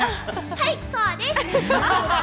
はい、そうです！